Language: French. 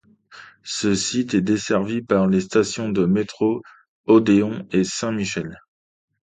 Ce site est desservi par les stations de métro Odéon et Saint-Michel.